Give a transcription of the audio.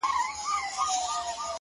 • پردی غم ,